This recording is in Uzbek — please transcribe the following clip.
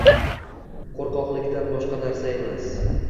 qo‘rqoqlikdan boshqa narsa emas.